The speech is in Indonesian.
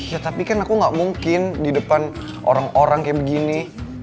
ya tapi kan aku gak mungkin di depan orang orang kayak begini